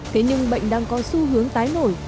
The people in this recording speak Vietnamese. thế nhưng bệnh đang có xu hướng tái nổi